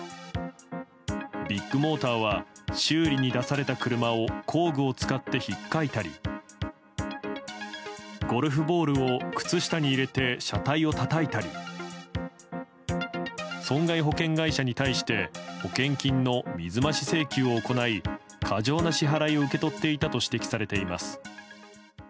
ビッグモーターは修理に出された車を工具を使って引っかいたりゴルフボールを靴下に入れて車体をたたいたり損害保険会社に対して保険金の水増し請求を行い過剰な支払いを受け取っていたと指摘されています。